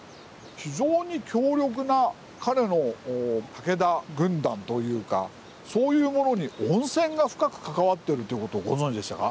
非常に強力な彼の武田軍団というかそういうものに温泉が深く関わってるということをご存じでしたか？